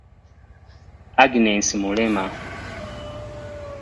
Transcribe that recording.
Agnes mulema.